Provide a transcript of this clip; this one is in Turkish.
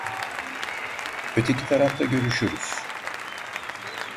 Öteki tarafta görüşürüz.